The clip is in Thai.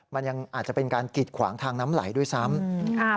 มันยังอาจจะเป็นการกิดขวางทางน้ำไหลด้วยซ้ำ